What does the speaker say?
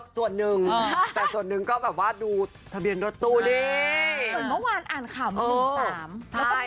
ส่วนหนึ่งแต่ส่วนนึงดูทะเบียนรถตู้นี้